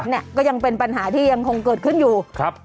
เนี่ยก็ยังเป็นปัญหาที่ยังคงเกิดขึ้นอยู่ครับ